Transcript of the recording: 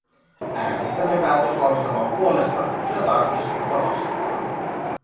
Äänestämme päätöslauselman puolesta ja tarkistusta vastaan.